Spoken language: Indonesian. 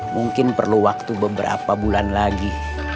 mungkin perlu waktu beberapa bulan lagi